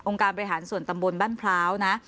การบริหารส่วนตำบลบ้านพร้าวนะ